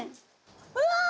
うわ！